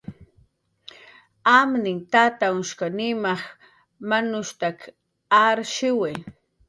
Amninh tatanhshq Nimaj manushuntak arshiwi